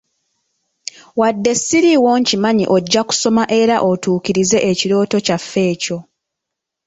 Wadde ssiriiwo nkimanyi ojja kusoma era otuukirize ekirooto kyaffe ekyo.